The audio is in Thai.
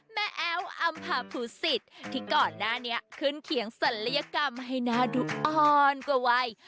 แอ้วอำภาภูศิษฐ์ที่ก่อนหน้านี้ขึ้นเขียงศัลยกรรมให้หน้าดูอ่อนกว่าวัย